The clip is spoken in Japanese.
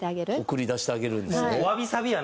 送り出してあげるんですね。